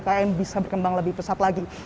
para umkm bisa berkembang lebih pesat lagi